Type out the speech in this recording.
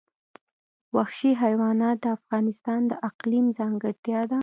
وحشي حیوانات د افغانستان د اقلیم ځانګړتیا ده.